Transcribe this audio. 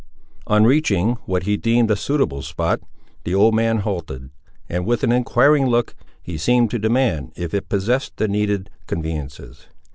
On reaching what he deemed a suitable spot, the old man halted, and with an enquiring look, he seemed to demand if it possessed the needed conveniences.